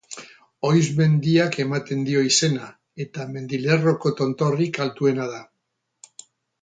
Oiz mendiak ematen dio izena, eta mendilerroko tontorrik altuena da.